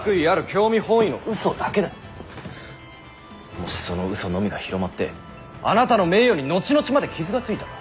もしそのうそのみが広まってあなたの名誉に後々まで傷がついたら。